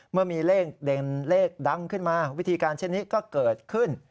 เมื่อมีเลขเด่นเลขดังขึ้นมาวิธีการเช่นนี้ก็เกิดขึ้น